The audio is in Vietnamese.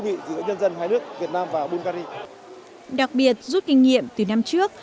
vị giữa nhân dân hai nước việt nam và bulgaria đặc biệt rút kinh nghiệm từ năm trước